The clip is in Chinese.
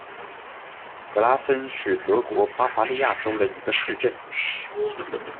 格拉芬是德国巴伐利亚州的一个市镇。